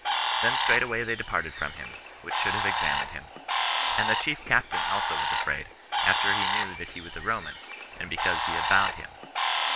" Then straightway they departed from him, which should have examined him : and the chief captain also was afraid, after he knew that he was a Roman, and because he had bound him."